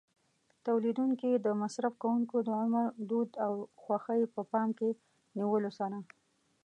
تولیدوونکي د مصرف کوونکو د عمر، دود او خوښۍ په پام کې نیولو سره.